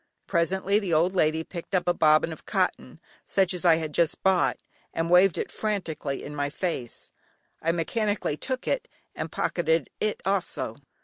Presently the old lady picked up a bobbin of cotton, such as I had just bought, and waved it frantically in my face; I mechanically took it and pocketed it also.